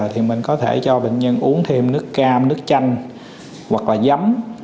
thì mình có thể cho bệnh nhân uống thêm nước cam nước chanh hoặc là giấm